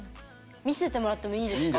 見せてもらってもいいですか？